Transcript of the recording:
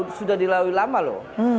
sudah dilalui lama loh